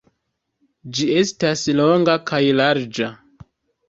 Ĝi estas longa kaj larĝa.